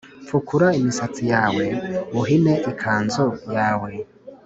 pfukura imisatsi yawe, uhine ikanzu yawe,